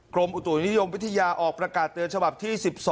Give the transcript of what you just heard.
กรมอุตุนิยมวิทยาออกประกาศเตือนฉบับที่๑๒